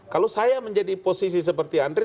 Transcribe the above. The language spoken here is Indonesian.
kalau saya menjadi posisi seperti andre